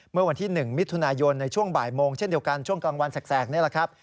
เมื่อวันที่๑มิถุนายนในช่วงบ่ายโมงเช่นเดียวกันช่วงกลางวันแสกนี่แหละครับ